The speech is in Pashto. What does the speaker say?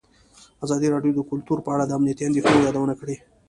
ازادي راډیو د کلتور په اړه د امنیتي اندېښنو یادونه کړې.